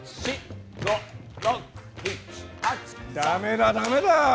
ダメだダメだ。